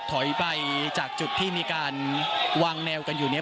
ถอยไปจากจุดที่มีการวางแนวกันอยู่เนี่ย